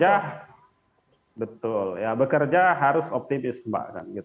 ya betul ya bekerja harus optimis mbak